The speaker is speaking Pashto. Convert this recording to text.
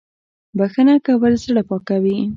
بخښنه کول زړه پاکوي